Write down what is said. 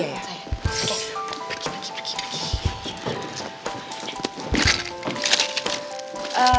pergi pergi pergi